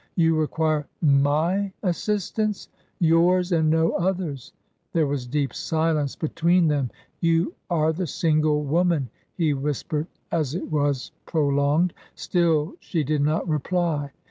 " You require my assistance !"" Yours, and no other's." There was deep silence between them. " You are the single woman," he whispered, as it was prolonged. Still she did not reply.